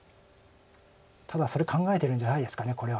ただそれ考えてるんじゃないですかこれは。